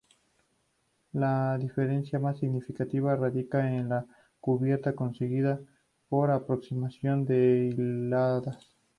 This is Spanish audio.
La diferencia más significativa radica en la cubierta, conseguida por aproximación de hiladas.